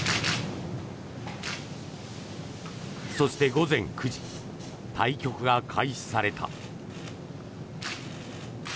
そして、午前９時対局が開始された。